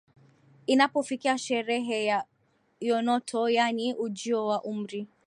Inapofikia sherehe ya eunoto yaani ujio wa umri